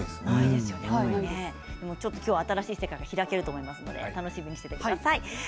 きょうは新しい世界が開けると思うので楽しみにしていてください。